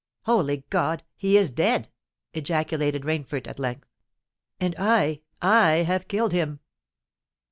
"Holy God! he is dead!" ejaculated Rainford at length: "and I—I have killed him!"